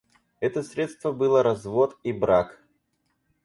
Это средство было развод и брак.